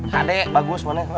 nah deh bagus warnanya